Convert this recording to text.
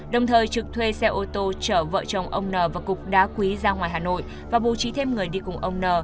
đồng thời trực thuê xe ô tô chở vợ chồng ông n và cục đá quý ra ngoài hà nội và bố trí thêm người đi cùng ông n